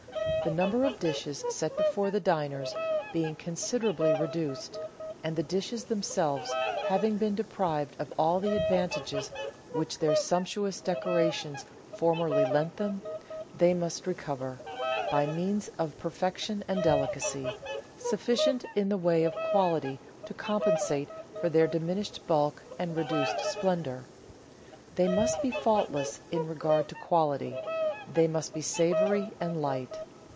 The number of dishes set before the diners being considerably reduced, and the dishes themselves having been deprived of all the advantages which their sumptuous decorations formerly lent them, they must recover, by means of perfection and delicacy, sufficient in the way of quality to compensate for their dimin ished bulk and reduced splendour. They must be faultless in regard to quality; they must be savoury and light.